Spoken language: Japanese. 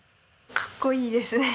かっこいいですね。